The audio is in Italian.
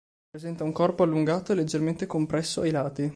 Presenta un corpo allungato e leggermente compresso ai lati.